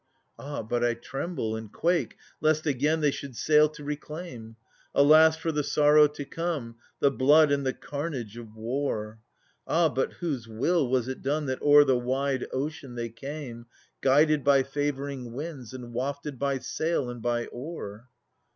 Ahj but T tremble and quake/ lest again they should sail to * reclaim !) Alas for the sorrow to come/ the blood and the carnage of O^ war. Ah J by whose will was it doneJ that o'er the wide ocean they came, Guided by favouring winds/ and wafted by sail and by oar